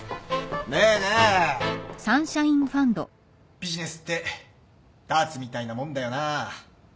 ビジネスってダーツみたいなもんだよな。